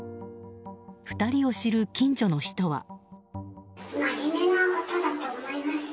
２人を知る近所の人は。